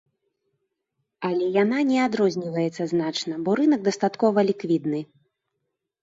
Але яна не адрозніваецца значна, бо рынак дастаткова ліквідны.